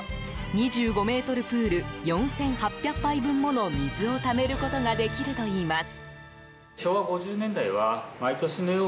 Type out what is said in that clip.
２５ｍプール４８００杯分もの水をためることができるといいます。